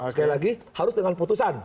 sekali lagi harus dengan putusan